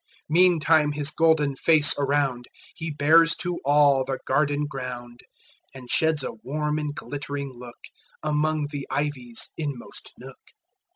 Meantime his golden face aroundHe bears to all the garden ground, And sheds a warm and glittering lookAmong the ivy's inmost nook.